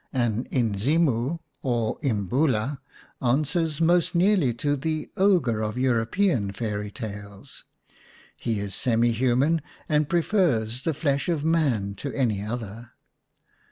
Do 1 An Inzimu, or Imbula, answers most nearly to the ogre of European fairy tales. He is semi human, and prefers the flesh of man to any other.